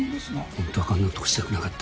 ほんとはあんなことしたくなかった。